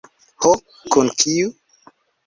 Ho, kun kiu?